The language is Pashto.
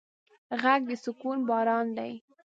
غږ د سکون باران دی